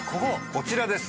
こちらです。